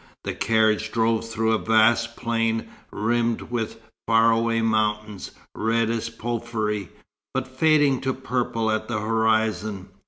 The carriage drove through a vast plain, rimmed with far away mountains, red as porphyry, but fading to purple at the horizon.